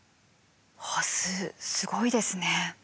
ハスすごいですね。